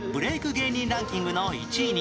芸人ランキングの１位に